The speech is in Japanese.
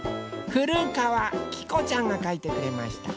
ふるかわきこちゃんがかいてくれました。